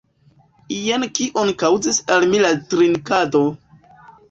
Jen kion kaŭzis al mi la drinkado!